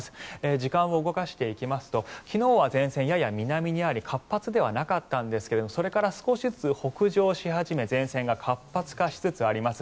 時間を動かしていきますと昨日は前線、やや南にあり活発ではなかったんですがそれから少しずつ北上し始めて前線が活発化しつつあります。